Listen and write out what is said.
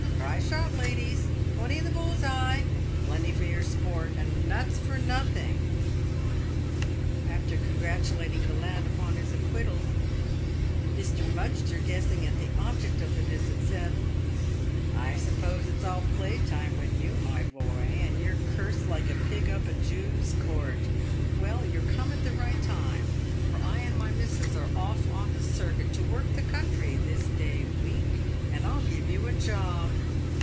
try a shot, ladies ! Twenty in the bull's eye ! Plenty for your sport, and nuts for nothing !" After congratulating the lad upon his acquittal, " Mr. Mudgster, guessing at the object of the visit, said, " I suppose it's all play time with you, my boy, and you're cursed like a pig up a Jews' court. Well, you're come at the right time, for I and my missus are off on the circuit to work the country this day week, and I'll give you a job."